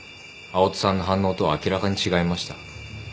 青砥さんの反応とは明らかに違いました。